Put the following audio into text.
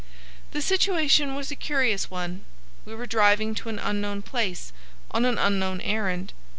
The situation was a curious one. We were driving to an unknown place, on an unknown errand.